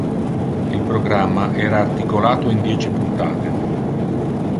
Il programma era articolato in dieci puntate.